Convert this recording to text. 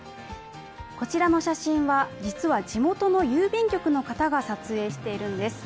こちらの写真は実は地元の郵便局の方が撮影しているんです。